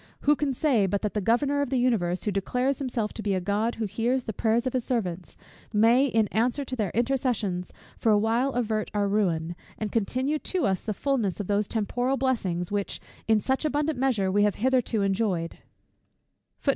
Who can say but that the Governor of the universe, who declares himself to be a God who hears the prayers of his servants, may, in answer to their intercessions, for a while avert our ruin, and continue to us the fulness of those temporal blessings, which in such abundant measure we have hitherto enjoyed.